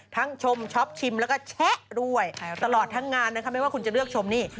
ชมช็อปชิมแล้วก็แชะด้วยตลอดทั้งงานนะคะไม่ว่าคุณจะเลือกชมนี่